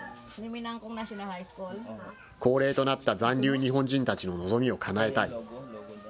高齢となった残留日本人たちの望みをかなえたい。